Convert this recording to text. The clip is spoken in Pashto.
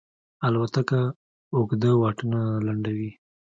الوتکه اوږده واټنونه لنډوي.